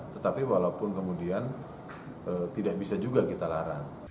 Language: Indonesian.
tetapi walaupun kemudian tidak bisa juga kita larang